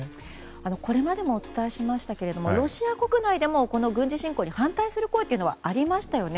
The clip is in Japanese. これまでもお伝えしましたがロシア国内でも軍事侵攻に反対する声はありましたよね。